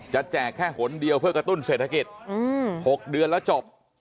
แจกแค่หนเดียวเพื่อกระตุ้นเศรษฐกิจ๖เดือนแล้วจบ